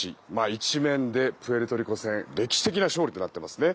１面で「プエルトリコ戦歴史的な勝利！」となっていますね。